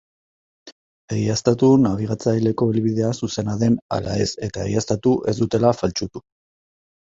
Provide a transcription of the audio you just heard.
Egiaztatu nabigatzaileko helbidea zuzena den ala ez eta egiaztatu ez dutela faltsutu.